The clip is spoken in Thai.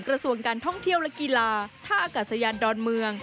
กระทรวงการท่องเที่ยวและกีฬาท่าอากาศยานดอนเมือง